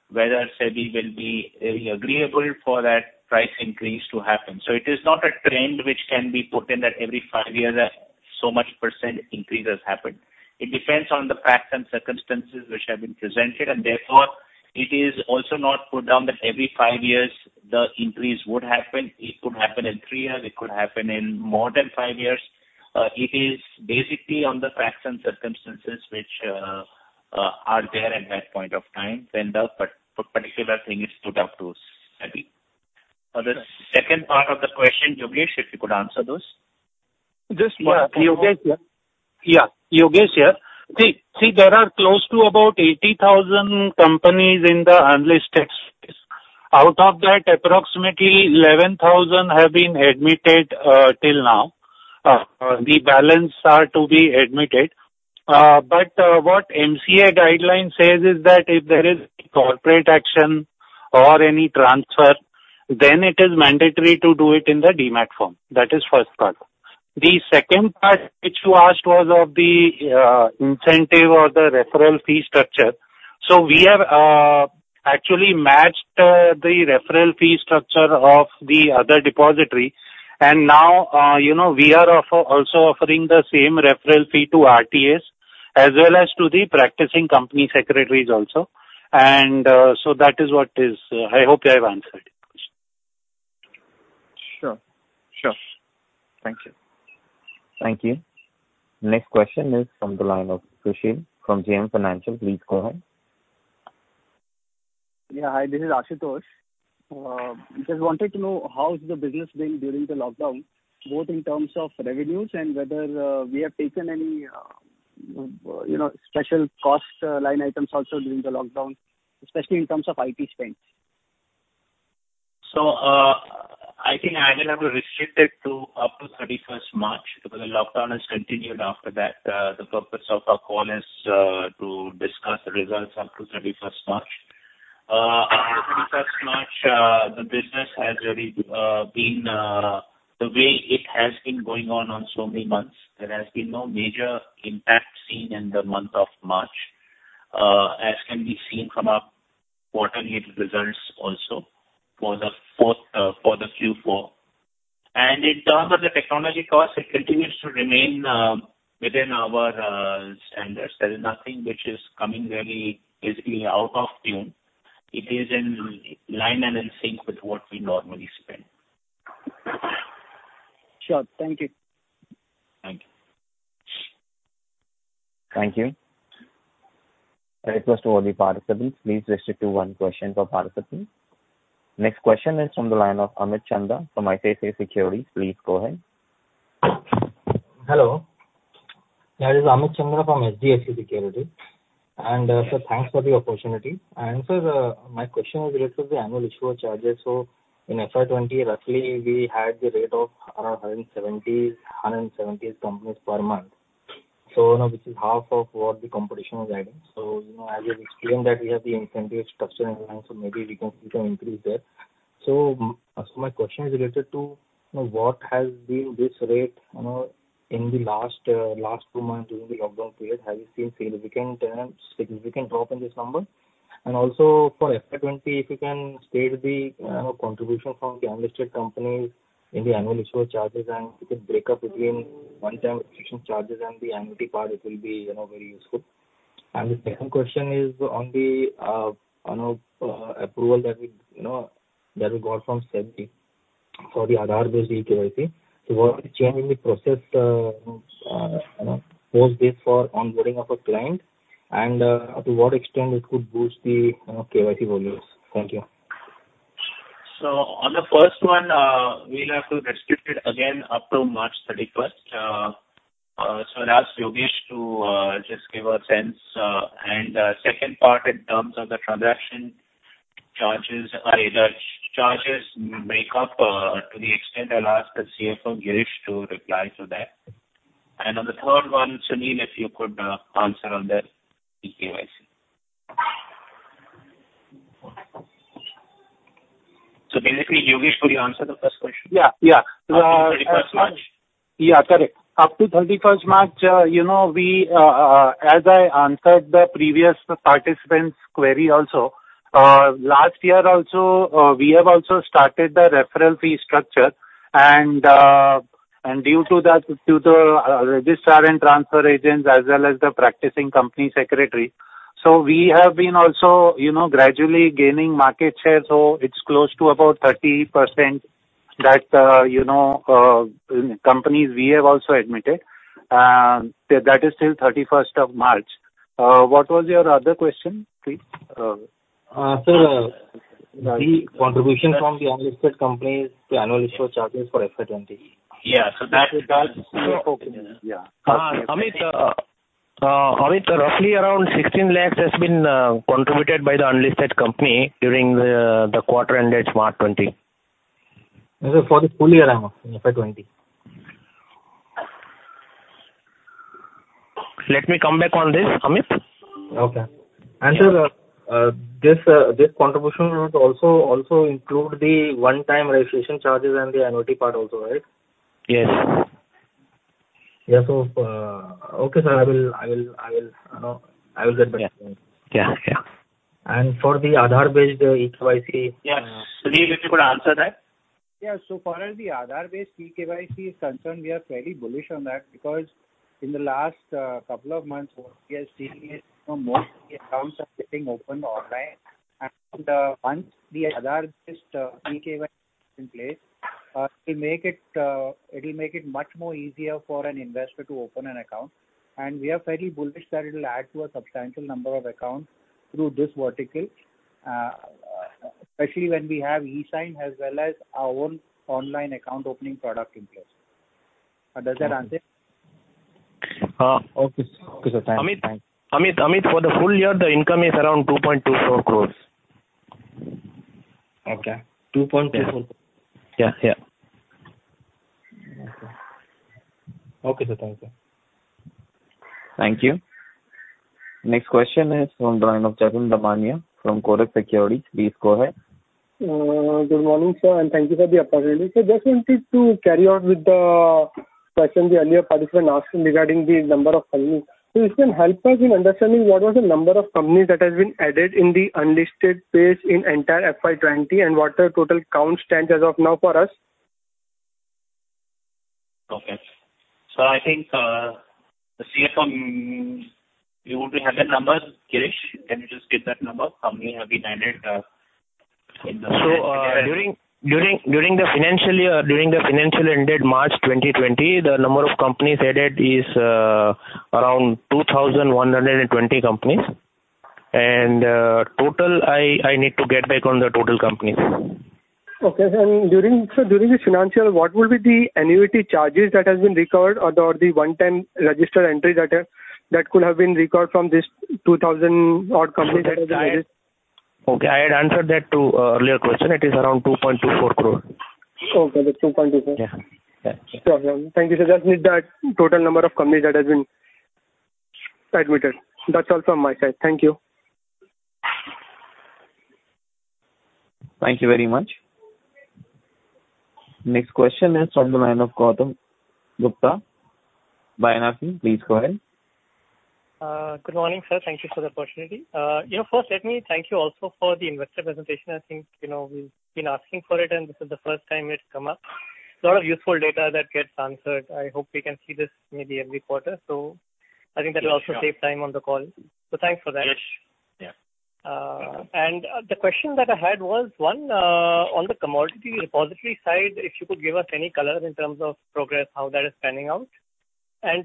whether SEBI will be agreeable for that price increase to happen. It is not a trend which can be put in that every five years, so much % increase has happened. It depends on the facts and circumstances which have been presented, therefore, it is also not put down that every five years the increase would happen. It could happen in three years, it could happen in more than five years. It is basically on the facts and circumstances which are there at that point of time when the particular thing is put up to SEBI. On the second part of the question, Yogesh, if you could answer those. This one. Yeah. Yogesh here. There are close to about 80,000 companies in the unlisted space. Out of that, approximately 11,000 have been admitted till now. The balance are to be admitted. What MCA guideline says is that if there is corporate action or any transfer, then it is mandatory to do it in the Demat form. That is first part. The second part which you asked was of the incentive or the referral fee structure. We have actually matched the referral fee structure of the other depository, and now we are also offering the same referral fee to RTAs, as well as to the practicing company secretaries also. That is what it is. I hope I have answered your question. Sure. Thank you. Thank you. Next question is from the line of Kushil from JM Financial. Please go ahead. Yeah. Hi, this is Ashutosh. Wanted to know how is the business been during the lockdown, both in terms of revenues and whether we have taken any special cost line items also during the lockdown, especially in terms of IT spends. I think I will have to restrict it to up to 31st March, because the lockdown has continued after that. The purpose of our call is to discuss the results up to 31st March. Up to 31st March the business has really been the way it has been going on so many months. There has been no major impact seen in the month of March, as can be seen from our quarterly results also for the Q4. In terms of the technology cost, it continues to remain within our standards. There is nothing which is coming really basically out of tune. It is in line and in sync with what we normally spend. Sure. Thank you. Thank you. Thank you. Request to all the participants, please restrict to one question per participant. Next question is from the line of Amit Chandra from HDFC Securities. Please go ahead. Hello. This is Amit Chandra from HDFC Securities. Sir, thanks for the opportunity. Sir, my question is related to the annual issuer charges. In FY 2020, roughly we had the rate of around 170 companies per month. Now this is half of what the competition was adding. As you explained that we have the incentive structure in place, maybe we can see some increase there. My question is related to what has been this rate in the last two months during the lockdown period. Have you seen significant drop in this number? Also for FY 2020, if you can state the contribution from the unlisted companies in the annual issuer charges, and if you could break up between one-time execution charges and the annuity part, it will be very useful. The second question is on the approval that we got from SEBI for the Aadhaar-based e-KYC. What is the change in the process post this for onboarding of a client, and to what extent it could boost the KYC volumes? Thank you. On the first one, we'll have to restrict it again up to March 31st. I'll ask Yogesh to just give a sense. Second part in terms of the transaction charges makeup, to the extent I'll ask the CFO, Girish, to reply to that. On the third one, Sunil, if you could answer on the eKYC. Basically, Yogesh, could you answer the first question? Yeah. Up to 31st March. Yeah, correct. Up to 31st March, as I answered the previous participant's query also, last year also we have also started the referral fee structure. Due to the registrar and transfer agents as well as the practicing company secretary. We have been also gradually gaining market share. It's close to about 30%. That companies we have also admitted. That is till 31st of March. What was your other question, please? Sir, the contribution from the unlisted companies to annual issuer charges for FY 2020. Yeah. That's your focus. Yeah. Amit, roughly around 16 lakhs has been contributed by the unlisted company during the quarter ended March 2020. No, sir, for the full year, I meant, FY 2020. Let me come back on this, Amit. Okay. Sir, this contribution would also include the one-time registration charges and the annuity part also, right? Yes. Yeah. Okay, sir. I will get back to you. Yeah. For the Aadhaar-based eKYC. Yeah. Sunil, you could answer that. So far as the Aadhaar-based eKYC is concerned, we are fairly bullish on that because in the last couple of months, what we are seeing is most of the accounts are getting opened online. Once the Aadhaar-based eKYC is in place, it will make it much more easier for an investor to open an account. We are fairly bullish that it will add to a substantial number of accounts through this vertical, especially when we have eSign as well as our own online account opening product in place. Does that answer? Okay, sir. Thanks. Amit, for the full year, the income is around 2.24 crore. Okay. 2.24? Yeah. Okay. Okay, sir. Thank you. Thank you. Next question is from the line of [Charu Damania] from Kotak Securities. Please go ahead. Good morning, sir, and thank you for the opportunity. Sir, just wanted to carry on with the question the earlier participant asked regarding the number of companies. If you can help us in understanding what was the number of companies that has been added in the unlisted space in entire FY 2020, and what the total count stands as of now for us? Okay. Sir, I think the CFO, you would have the numbers. Girish, can you just give that number, how many have been added in the- During the financial year ended March 2020, the number of companies added is around 2,120 companies. Total, I need to get back on the total companies. Sir, during this financial, what will be the annuity charges that has been recovered or the one-time register entry that could have been recovered from this 2,000 odd companies that has been added? Okay. I had answered that to earlier question. It is around 2.24 crore. Okay. The 2.24. Yeah. No problem. Thank you, sir. Just need that total number of companies that has been admitted. That's all from my side. Thank you. Thank you very much. Next question is from the line of Gautam Gupta, [BaNaxim]. Please go ahead. Good morning, sir. Thank you for the opportunity. First, let me thank you also for the investor presentation. I think we've been asking for it, and this is the first time it's come up. A lot of useful data that gets answered. I hope we can see this maybe every quarter. I think that will also save time on the call. Thanks for that. Yes. Yeah. The question that I had was, one, on the commodity repository side, if you could give us any color in terms of progress, how that is panning out.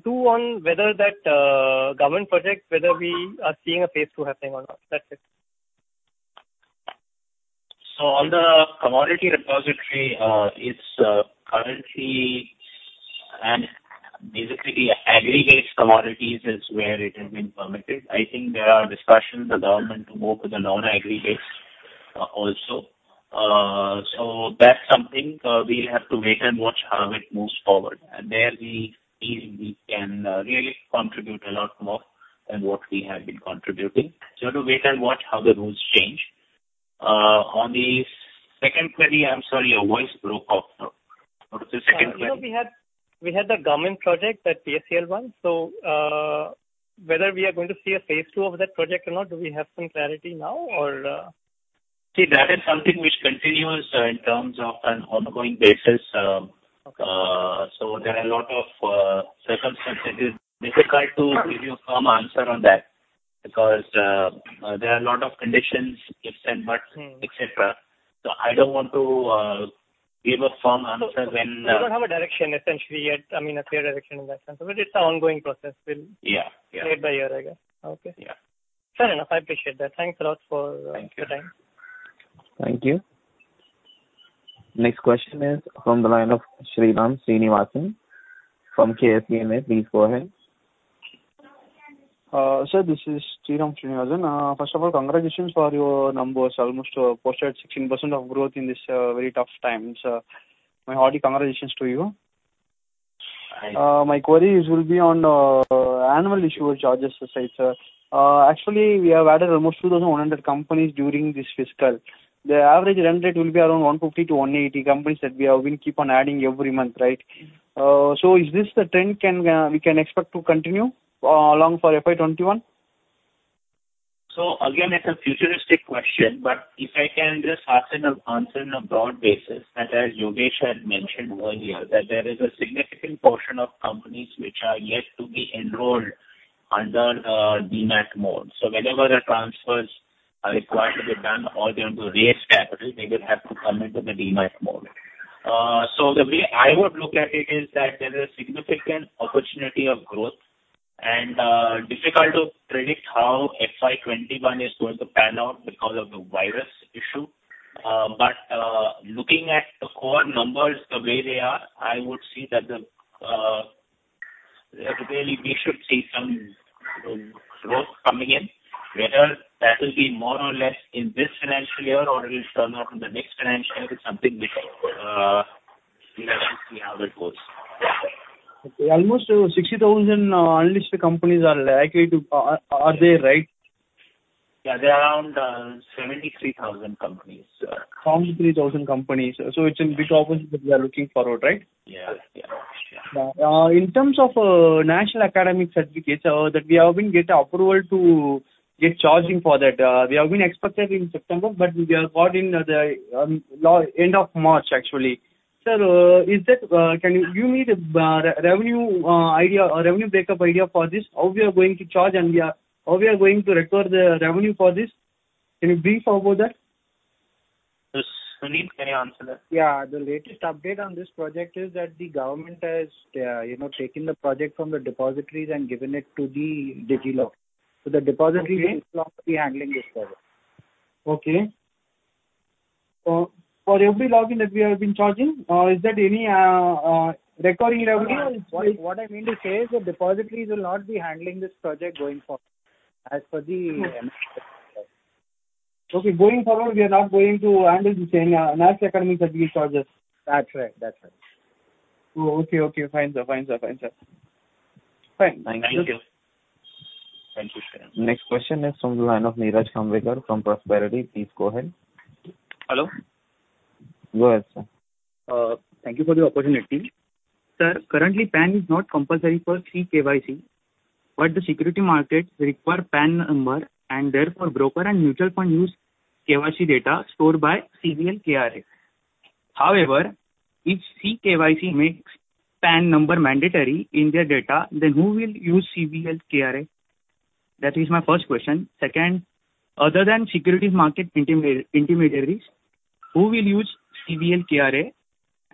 Two, on whether that government project, whether we are seeing a phase two happening or not. That's it. On the commodity repository, it's currently and basically aggregates commodities is where it has been permitted. I think there are discussions with the government to move to the non-aggregates also. That's something we'll have to wait and watch how it moves forward. There we feel we can really contribute a lot more than what we have been contributing. We have to wait and watch how the rules change. On the second query, I'm sorry, your voice broke off. What was the second query? We had the government project, that PACL one. Whether we are going to see a phase 2 of that project or not, do we have some clarity now or? See, that is something which continues in terms of an ongoing basis. Okay. There are a lot of circumstances. It is difficult to give you a firm answer on that because there are a lot of conditions, ifs and buts, et cetera. You don't have a direction essentially yet, I mean, a clear direction in that sense. It's an ongoing process. Yeah. Year by year, I guess. Okay. Yeah. Fair enough. I appreciate that. Thanks a lot for your time. Thank you. Next question is from the line of Sriram Srinivasan from [KSMA]. Please go ahead. Sir, this is Sriram Srinivasan. First of all, congratulations for your numbers. Almost posted 16% of growth in this very tough times. My hearty congratulations to you. Thank you. My queries will be on annual issuer charges side, sir. Actually, we have added almost 2,100 companies during this fiscal. The average run rate will be around 150 to 180 companies that we have been keep on adding every month, right? Is this the trend we can expect to continue along for FY 2021? Again, it's a futuristic question. If I can just answer in a broad basis, that as Yogesh had mentioned earlier, that there is a significant portion of companies which are yet to be enrolled under Demat mode. Whenever a transfer are required to be done or they want to raise capital, they will have to come into the Demat mode. The way I would look at it is that there's a significant opportunity of growth, and difficult to predict how FY 2021 is going to pan out because of the virus issue. Looking at the core numbers the way they are, I would see that really we should see some growth coming in, whether that will be more or less in this financial year or it'll turn out in the next financial year is something which we'll have to see how that goes. Okay. Almost 60,000 unlisted companies, are they right? Yeah, they're around 73,000 companies. 73,000 companies. It's a big opportunity we are looking forward, right? Yeah. In terms of national academic certificate, that we have been get approval to get charging for that. We have been expected in September, we have got in the end of March, actually. Sir, can you give me the revenue idea or revenue breakup idea for this? How we are going to charge and how we are going to record the revenue for this? Can you brief about that? Sunil, can you answer that? Yeah. The latest update on this project is that the government has taken the project from the depositories and given it to the DigiLocker. the depository- Okay will not be handling this project. Okay. For every login that we have been charging, is there any recurring revenue? What I mean to say is that depositories will not be handling this project going forward, as per the Okay. Going forward, we are not going to handle the National Academic Certificate charges. That's right. Okay. Fine, sir. Thank you. Thank you, sir. Next question is from the line of Neeraj Kamble from Prosperity. Please go ahead. Hello. Go ahead, sir. Thank you for the opportunity. Sir, currently PAN is not compulsory for CKYC, but the securities market require PAN number, and therefore broker and mutual fund use KYC data stored by CVL KRA. However, if CKYC makes PAN number mandatory in their data, then who will use CVL KRA? That is my first question. Second, other than securities market intermediaries, who will use CVL KRA?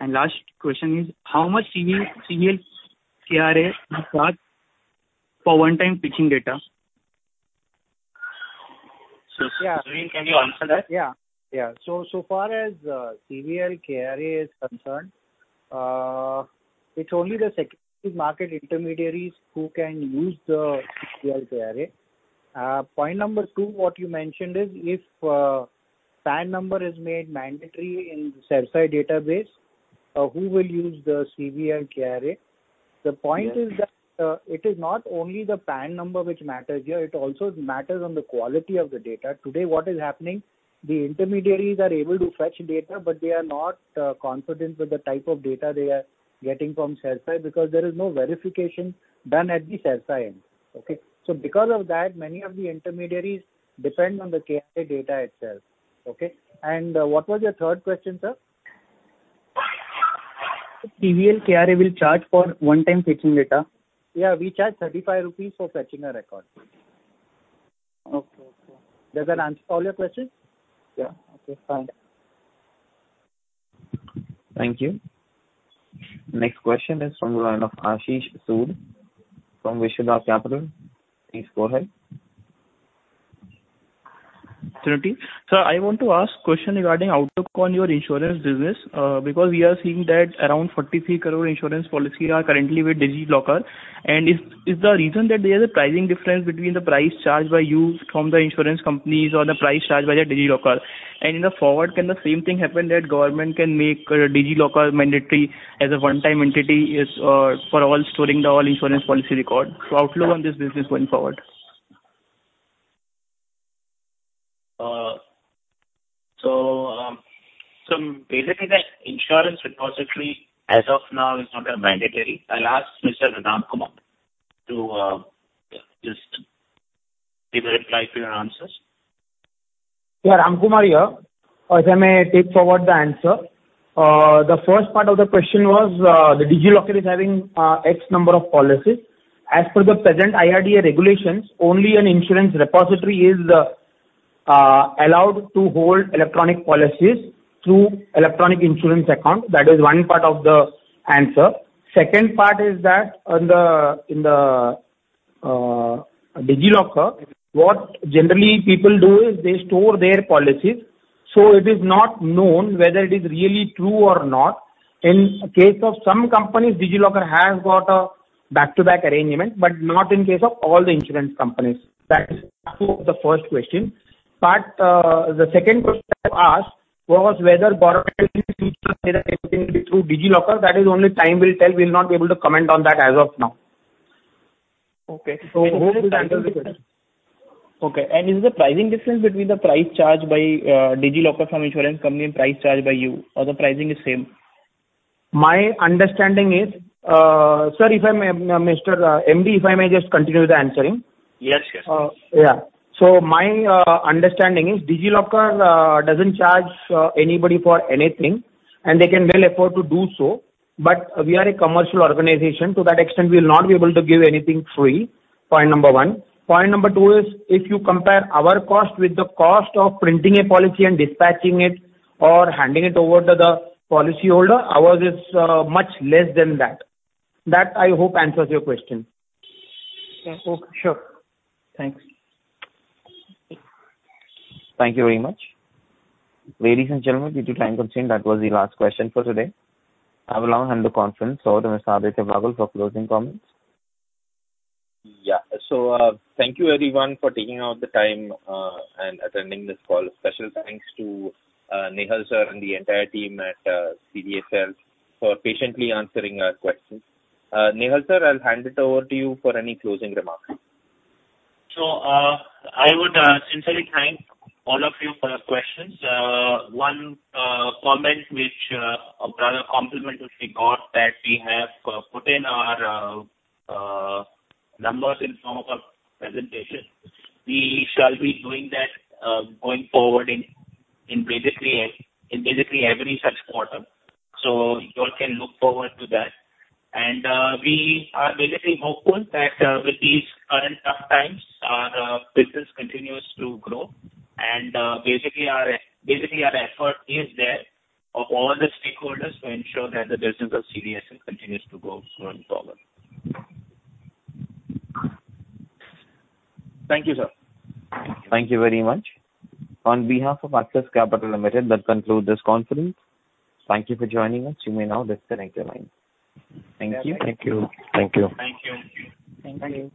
Last question is, how much CVL KRA will charge for one-time fetching data? Sunil, can you answer that? Yeah. So far as CVL KRA is concerned, it's only the securities market intermediaries who can use the CVL KRA. Point number two, what you mentioned is if PAN number is made mandatory in the CERSAI database, who will use the CVL KRA? The point is that it is not only the PAN number which matters here, it also matters on the quality of the data. Today, what is happening, the intermediaries are able to fetch data, but they are not confident with the type of data they are getting from CERSAI because there is no verification done at the CERSAI end. Okay? Because of that, many of the intermediaries depend on the KRA data itself. Okay? What was your third question, sir? CVL KRA will charge for one-time fetching data. Yeah. We charge 35 rupees for fetching a record. Okay. Does that answer all your questions? Yeah. Okay, fine. Thank you. Next question is from the line of Ashish Sood from Vishuddha Capital. Please go ahead. Sure thing. Sir, I want to ask question regarding outlook on your insurance business, because we are seeing that around 43 crore insurance policy are currently with DigiLocker. Is the reason that there is a pricing difference between the price charged by you from the insurance companies or the price charged by the DigiLocker. In the forward, can the same thing happen that government can make DigiLocker mandatory as a one-time entity for all storing the all insurance policy record? Outlook on this business going forward. Basically, the insurance repository as of now is not a mandatory. I'll ask Mr. Ramkumar to just give a reply to your answers. Yeah. Ramkumar here. If I may take forward the answer. The first part of the question was, the DigiLocker is having X number of policies. As per the present IRDA regulations, only an insurance repository is allowed to hold electronic policies through electronic insurance account. That is one part of the answer. Second part is that in the DigiLocker, what generally people do is they store their policies. It is not known whether it is really true or not. In case of some companies, DigiLocker has got a back-to-back arrangement, but not in case of all the insurance companies. That is for the first question. The second question you asked was whether government will switch to DigiLocker. That is only time will tell. We'll not be able to comment on that as of now. Okay. Hope that answers your question. Okay. Is there pricing difference between the price charged by DigiLocker from insurance company and price charged by you, or the pricing is same? My understanding Sir, Mr. MD, if I may just continue with the answering. Yes. My understanding is, DigiLocker doesn't charge anybody for anything, and they can well afford to do so. We are a commercial organization. To that extent, we'll not be able to give anything free. Point number one. Point number two is, if you compare our cost with the cost of printing a policy and dispatching it or handing it over to the policyholder, ours is much less than that. That, I hope, answers your question. Okay. Sure. Thanks. Thank you very much. Ladies and gentlemen, due to time constraint, that was the last question for today. I will now hand the conference over to Mr. Aditya Bagul for closing comments. Thank you everyone for taking out the time and attending this call. Special thanks to Nehal sir and the entire team at CDSL for patiently answering our questions. Nehal sir, I'll hand it over to you for any closing remarks. I would sincerely thank all of you for your questions. One comment which, or rather compliment, which we got that we have put in our numbers in form of a presentation. We shall be doing that going forward in every such quarter. You all can look forward to that. We are hopeful that with these current tough times, our business continues to grow. Our effort is there of all the stakeholders to ensure that the business of CDSL continues to grow going forward. Thank you, sir. Thank you very much. On behalf of Axis Capital Limited, that concludes this conference. Thank you for joining us. You may now disconnect your line. Thank you. Thank you. Thank you. Thank you. Thank you.